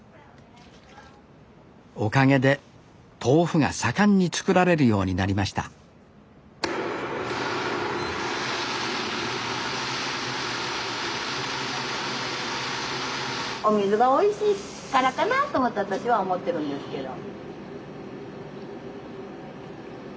おかげで豆腐が盛んに作られるようになりましたお水がおいしいからかなと思って私は思ってるんですけど。